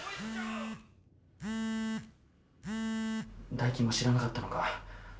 大樹も知らなかったのか。